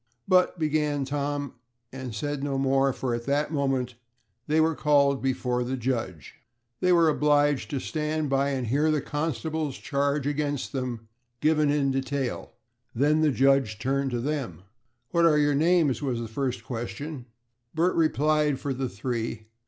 "But," began Tom, and said no more, for at that moment they were called before the judge. They were obliged to stand by and hear the constable's charge against them, given in detail. Then the judge turned to them "What are your names?" was the first question. Bert replied for the three.